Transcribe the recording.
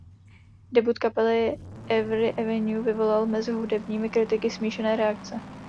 Debut kapely Every Avenue vyvolal mezi hudebními kritiky smíšené reakce.